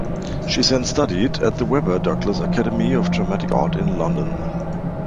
She then studied at the Webber Douglas Academy of Dramatic Art in London.